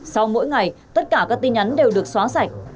sau mỗi ngày tất cả các tin nhắn đều được xóa sạch